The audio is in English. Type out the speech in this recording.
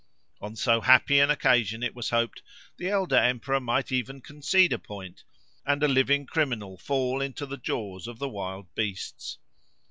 On so happy an occasion, it was hoped, the elder emperor might even concede a point, and a living criminal fall into the jaws of the wild beasts.